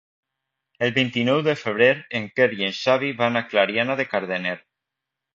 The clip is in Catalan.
El vint-i-nou de febrer en Quer i en Xavi van a Clariana de Cardener.